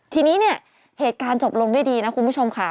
ทีนี้เนี่ยเหตุการณ์จบลงด้วยดีนะคุณผู้ชมค่ะ